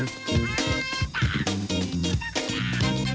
สวัสดีค่ะ